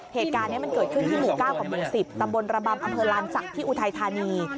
เหตุการณ์นี้มันเกิดขึ้นที่หมู่๙กับหมู่๑๐ตำบลระบำอำเภอลานศักดิ์ที่อุทัยธานี